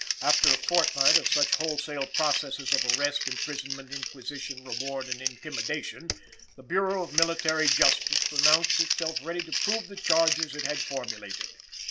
After a fortnight of such wholesale processes of arrest, imprisonment, inquisition, reward and intimidation, the Bureau of Military Justice announced itself ready to prove the charges it had formulated.